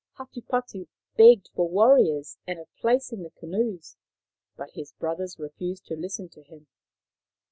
Hatupatu begged for warriors and a place in the canoes, but his brothers refused to listen to him.